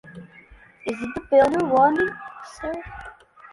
Is it the bill you're wanting, sir?